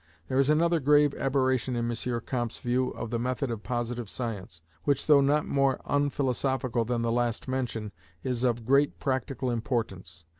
There is another grave aberration in M. Comte's view of the method of positive science, which though not more unphilosophical than the last mentioned, is of greater practical importance.